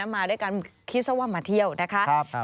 มาด้วยกันคิดซะว่ามาเที่ยวนะคะ